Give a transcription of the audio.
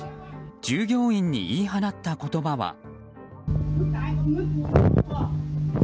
従業員に言い放った言葉は。